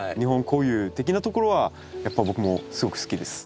固有的なところはやっぱ僕もすごく好きです。